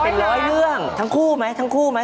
เป็นร้อยเรื่องทั้งคู่ไหมทั้งคู่ไหม